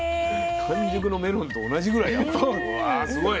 完熟のメロンと同じぐらい甘い。